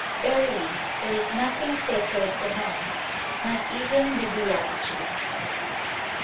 Verily! there is nothing sacred to man; not even the Beatitudes.